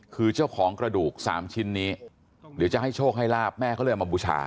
คือเจ้าของกระดูก๓ชิ้นนี้หรือจะให้โชคให้ลาบแม่เขาเลยมาบูชา